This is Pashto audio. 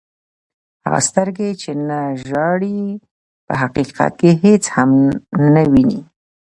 هغه سترګي، چي نه ژاړي په حقیقت کښي هيڅ هم نه ويني.